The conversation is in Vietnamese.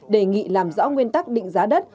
đề nghị làm rõ nguyên tắc định giá đất